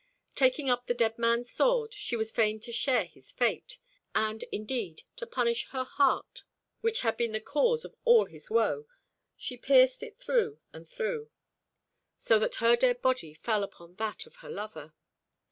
Taking up the dead man's sword, she was fain to share his fate, and, indeed, to punish her heart, which had been the cause of all his woe, she pierced it through and through, so that her dead body fell upon that of her lover.